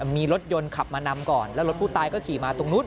มีรถยนต์ขับมานำก่อนแล้วรถผู้ตายก็ขี่มาตรงนู้น